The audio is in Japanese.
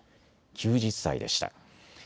９０歳でした。